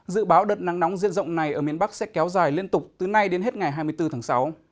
dự báo đợt nắng nóng diện rộng này ở miền bắc sẽ kéo dài liên tục từ nay đến hết ngày hai mươi bốn tháng sáu